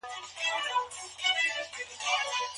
هغوی ورته وويل چي موږ د شام يو.